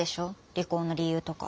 離婚の理由とか。